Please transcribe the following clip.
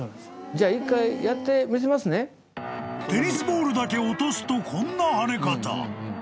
［テニスボールだけ落とすとこんな跳ね方］